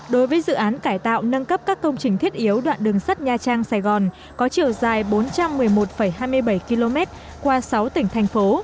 đối với dự án cải tạo nâng cấp các công trình thiết yếu đoạn đường sắt nha trang sài gòn có chiều dài bốn trăm một mươi một hai mươi bảy km qua sáu tỉnh thành phố